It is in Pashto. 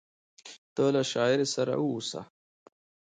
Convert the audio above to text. ته له شاعري سره واوسې…